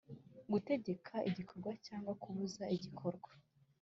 Gutegeka igikorwa cyangwa kubuza igikorwa